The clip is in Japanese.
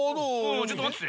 ちょっとまってて。